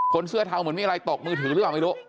เสื้อเทาเหมือนมีอะไรตกมือถือหรือเปล่าไม่รู้